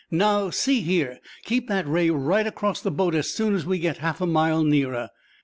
"Now, see here, keep that ray right across the boat as soon as we get half a mile nearer."